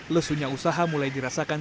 lesunya usaha mulai dirasakan